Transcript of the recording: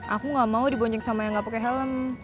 aku gak mau diboncing sama yang gak pake helm